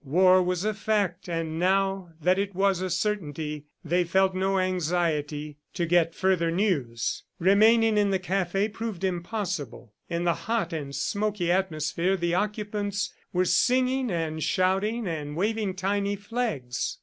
War was a fact, and now that it was a certainty, they felt no anxiety to get further news. Remaining in the cafe proved impossible. In the hot and smoky atmosphere, the occupants were singing and shouting and waving tiny flags.